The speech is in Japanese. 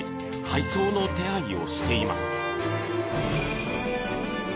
配送の手配をしています。